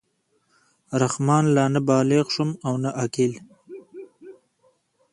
رحمان لا نه بالِغ شوم او نه عاقل.